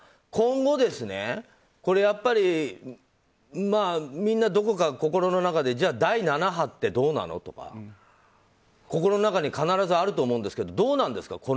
今後、やっぱりみんなどこか心の中でじゃあ、第７波ってどうなのとか心の中に必ずあると思うんですけどどうなんですか？